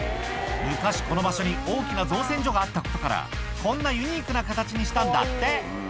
昔、この場所に大きな造船所があったことから、こんなユニークな形にしたんだって。